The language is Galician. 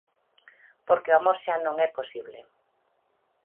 Porque o amor xa non é posible.